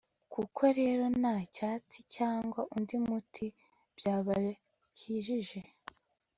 koko rero, nta cyatsi cyangwa undi muti byabakijije